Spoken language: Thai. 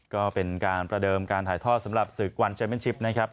ก็เป็นการประเดิมการถ่ายทอดสำหรับศึกวันเชมเป็นชิปนะครับ